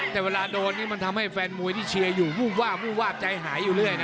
แต่เวลาโดนนี่มันทำให้แฟนมวยที่เชียร์อยู่วูบวาบวูบวาบใจหายอยู่เรื่อยนะ